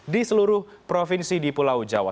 di seluruh provinsi di pulau jawa